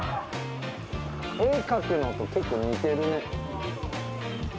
絵描くのと結構、似てるね。